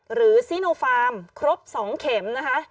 หรือสริโนไฟล์มครบ๒เข็ม